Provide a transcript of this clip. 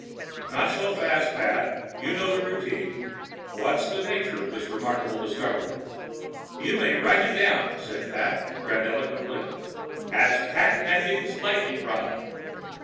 "Not so fast, Pat. You know the routine. What's the nature of this remarkable discovery?" "You may write it down," said Pat grandiloquently, "as Pat Pending's lightening rod."